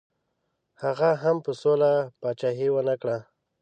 هغه هم په سوله پاچهي ونه کړه.